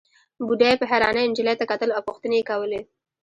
بوډۍ په حيرانۍ نجلۍ ته کتل او پوښتنې يې کولې.